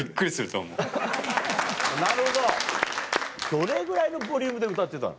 なるほどどれぐらいのボリュームで歌ってたの？